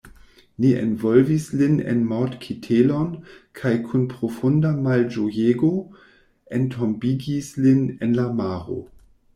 Ni envolvis lin en mortkitelon, kaj kun profunda malĝojego, entombigis lin en la maro.